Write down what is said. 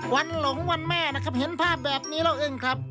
วันหลงวันแม่เห็นภาพแบบนี้แล้วอึ้งครับ